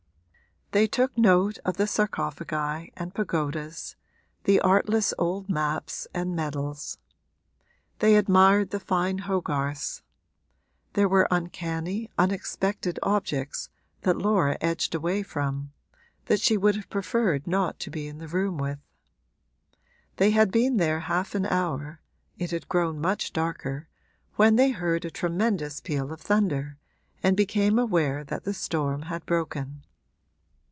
They took note of the sarcophagi and pagodas, the artless old maps and medals. They admired the fine Hogarths; there were uncanny, unexpected objects that Laura edged away from, that she would have preferred not to be in the room with. They had been there half an hour it had grown much darker when they heard a tremendous peal of thunder and became aware that the storm had broken.